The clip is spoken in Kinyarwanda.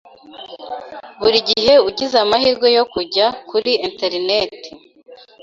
Buri gihe ugize amahirwe yo kujya kuri interineti,